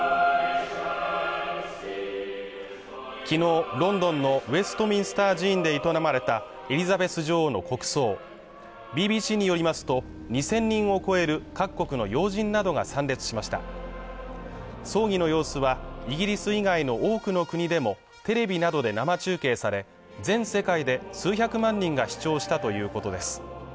昨日ロンドンのウェストミンスター寺院で営まれたエリザベス女王の国葬ＢＢＣによりますと２０００人を超える各国の要人などが参列しました葬儀の様子はイギリス以外の多くの国でもテレビなどで生中継され全世界で数百万人が視聴したということです